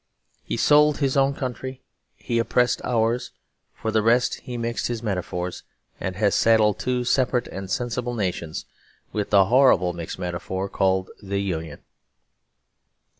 He sold his own country, he oppressed ours; for the rest he mixed his metaphors, and has saddled two separate and sensible nations with the horrible mixed metaphor called the Union.